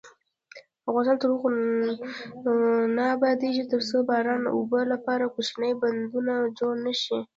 افغانستان تر هغو نه ابادیږي، ترڅو د باران اوبو لپاره کوچني بندونه جوړ نشي.